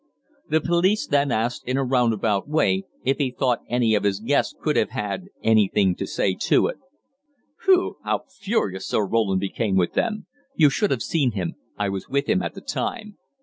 "The police then asked him in a roundabout way if he thought any of his guests could have had anything to say to it. Phew! How furious Sir Roland became with them! You should have seen him I was with him at the time.